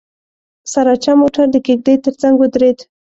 سراچه موټر د کېږدۍ تر څنګ ودرېد.